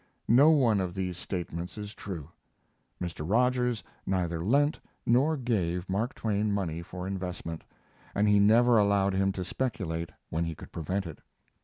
No one of these statements is true. Mr. Rogers neither lent nor gave Mark Twain money for investment, and he never allowed him to speculate when he could prevent it.